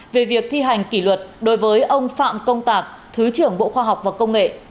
về việc thi hành kỷ luật đối với ông phạm công tạc thứ trưởng bộ khoa học và công nghệ